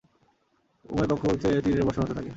উভয় পক্ষ হতে তীরের বর্ষণ হতে থাকে।